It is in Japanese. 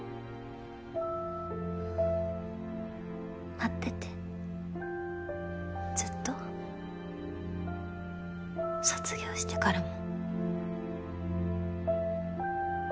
待っててずっと卒業してからも。